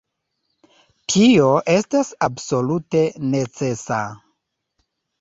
Tio estas absolute necesa!